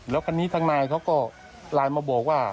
แล้วคันนี้ทางนายเขาก็ไลน์มาบอกว่า